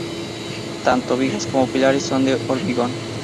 Tanto vigas como pilares son de hormigón.